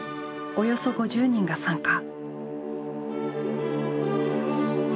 およそ５０人が参加。